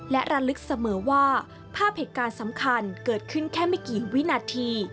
และระลึกเสมอว่าภาพเหตุการณ์สำคัญเกิดขึ้นแค่ไม่กี่วินาที